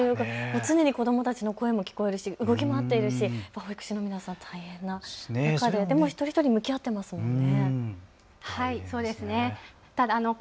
常に子どもたちの声が聞こえますし動き回っていますし保育士の皆さん、大変な中でも一人一人に向き合っていましたね。